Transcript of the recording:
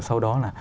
sau đó là